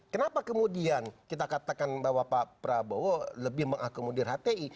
kenapa kemudian kita katakan bahwa pak prabowo lebih mengakomodir hti